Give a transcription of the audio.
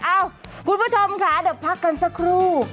เอ้าคุณผู้ชมค่ะเดี๋ยวพักกันสักครู่